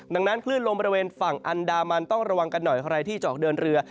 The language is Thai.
ดังนั้นคลื่นลมบริเวณฝั่งอันดามันต้องระวังกันหน่อยใครที่จะออกเดินเรือ